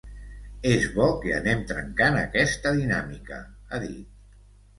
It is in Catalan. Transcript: És bo que anem trencant aquesta dinàmica, ha dit.